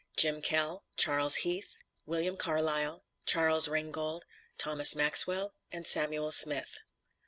JIM KELL, CHARLES HEATH, WILLIAM CARLISLE, CHARLES RINGGOLD, THOMAS MAXWELL, AND SAMUEL SMITH.